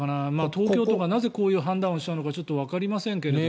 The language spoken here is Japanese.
東京都がなぜこういう判断をしたのかちょっとわかりませんけれど。